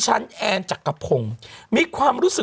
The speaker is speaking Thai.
เขาก็เลยเสียะกลับไปเสียะกันมาเบา